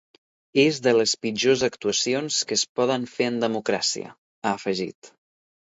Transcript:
És de les pitjors actuacions que es poden fer en democràcia, ha afegit.